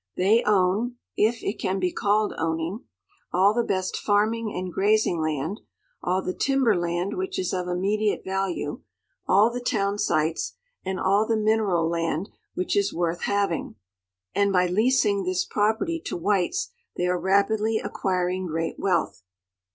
They own, if it can be called owning, all the best farming and grazing land, all the timber land which is of immediate value, all the town sites, and all the mineral land which is worth having, and by leasing this property to whites they are rapidly acquiring great wealth.